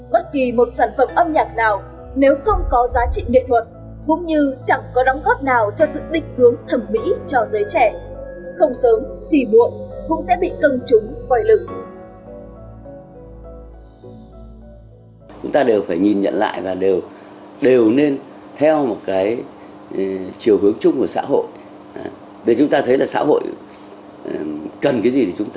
bất kỳ một sản phẩm âm nhạc nào